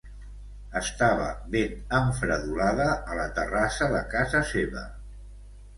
Estava ben enfredolada a la terrassa de casa seva